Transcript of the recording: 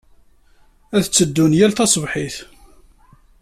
Ad tteddun yal taṣebḥit.